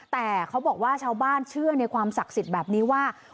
แต่เขาบอกว่าชาวบ้านเชื่อในความศักดิ์สิทธิ์แบบนี้ว่า